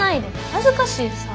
恥ずかしいさ。